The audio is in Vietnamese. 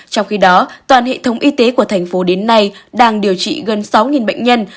trong khi đó toàn hệ thống y tế của thành phố đến nay đang điều trị gần sáu bệnh nhân